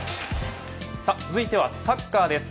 続いてはサッカーです。